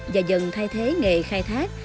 và dần thay thế nghề khai thác